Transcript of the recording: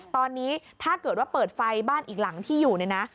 ตอนนี้ถ้าเกิดว่าเปิดไฟบ้านอีกหลังที่อยู่เนี่ยนะ